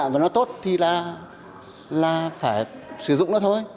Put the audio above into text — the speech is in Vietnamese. mà nó tốt thì là phải sử dụng nó thôi